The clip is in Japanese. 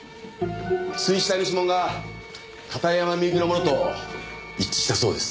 水死体の指紋が片山みゆきのものと一致したそうです。